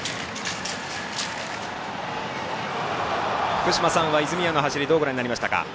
福島さんは泉谷の走りどうご覧になりましたか？